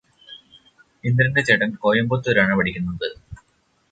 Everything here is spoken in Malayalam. ഇന്ദ്രന്റെ ചേട്ടന് കോയമ്പത്തൂരാണ് പഠിക്കുന്നത്